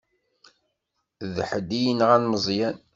D ḥedd i yenɣan Meẓyan.